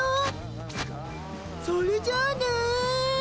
それじゃあね。